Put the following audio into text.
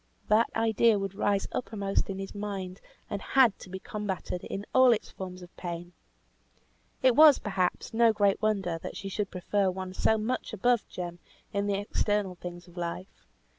That idea would rise uppermost in his mind, and had to be combated in all its forms of pain. It was, perhaps, no great wonder that she should prefer one so much above Jem in the external things of life.